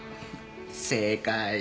正解。